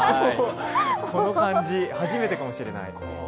この感じ、初めてかもしれない。